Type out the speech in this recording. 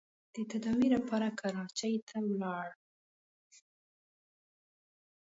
د تداوۍ لپاره کراچۍ ته ولاړ.